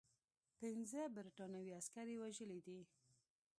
پنځه برټانوي عسکر یې وژلي دي.